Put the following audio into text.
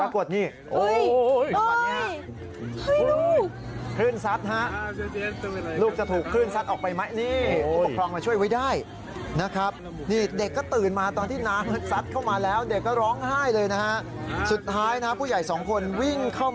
ปรากฏนี้